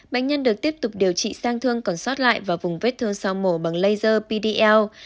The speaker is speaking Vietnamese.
bệnh nhân được tiếp tục điều trị sang thương còn sót lại vào vùng vết thương sau mổ bằng laser pdl